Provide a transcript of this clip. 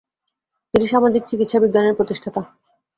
তিনি সামাজিক চিকিৎসাবিজ্ঞানের প্রতিষ্ঠাতা।